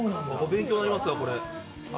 勉強になりますわ、これ。